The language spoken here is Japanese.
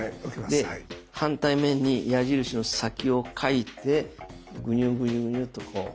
で反対面に矢印の先を書いてグニュグニュッとこう。